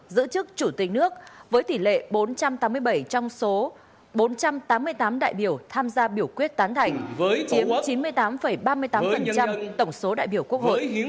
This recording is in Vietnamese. giữ chức chủ tịch nước với tỷ lệ bốn trăm tám mươi bảy trong số bốn trăm tám mươi tám đại biểu tham gia biểu quyết tán thành chiếm chín mươi tám ba mươi tám tổng số đại biểu quốc hội